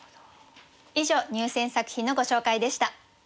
以上入選作品のご紹介でした。